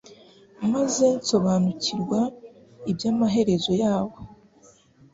maze nsobanukirwa iby’amaherezo yabo